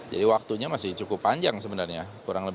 jadi waktunya masih cukup panjang sebenarnya